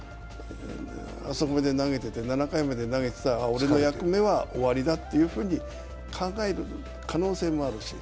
あそこまで投げてて７回まで投げてて俺の役目は終わりだっていうふうに考える可能性もあるし。